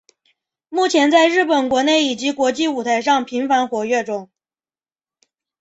目前在日本国内以及国际舞台上频繁活跃中。